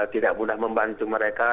tidak mudah membantu mereka